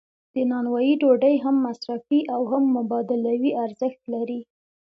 د نانوایی ډوډۍ هم مصرفي او هم مبادلوي ارزښت لري.